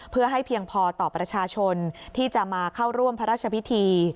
เพื่อให้เพียงพอต่อประชาชนที่จะมาเข้าร่วมพระราชพิธี